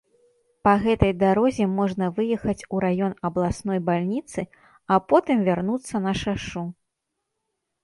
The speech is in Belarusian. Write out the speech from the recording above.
Па гэтай дарозе можна выехаць у раён абласной бальніцы, а потым вярнуцца на шашу.